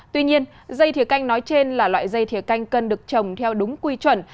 tuy nhiên dây thiều canh nói trên là loại dây thiều canh cần được trồng theo đúng quy chuẩn